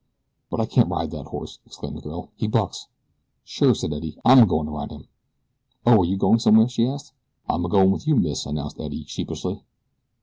"But I can't ride that horse," exclaimed the girl. "He bucks." "Sure," said Eddie. "I'm a goin' to ride him." "Oh, are you going somewhere?" she asked. "I'm goin' with you, miss," announced Eddie, sheepishly.